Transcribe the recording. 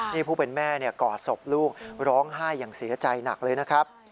นี่ผู้เป็นแม่กอดศพลูกร้องไห้อย่างเสียใจหนักเลยนะครับ